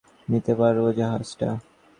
কিন্তু আমরা কারো জাহাজ ধার নিতে পারবো।